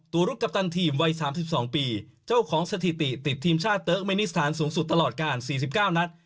รุดกัปตันทีมวัย๓๒ปีเจ้าของสถิติติดทีมชาติเติร์กเมนิสถานสูงสุดตลอดการ๔๙นัด